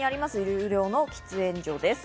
有料の喫煙所です。